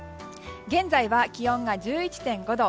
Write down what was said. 現在は気温が１１．５度。